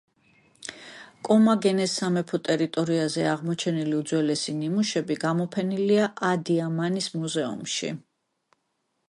კომაგენეს სამეფოს ტერიტორიაზე აღმოჩენილი უძველესი ნიმუშები გამოფენილია ადიამანის მუზეუმში.